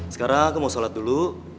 sekarang aku mau sholat dulu